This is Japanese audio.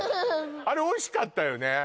あれおいしかったよね